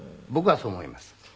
僕はそう思います。